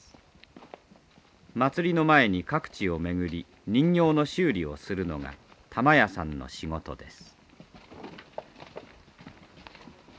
祭りの前に各地を巡り人形の修理をするのが玉屋さんの仕事です。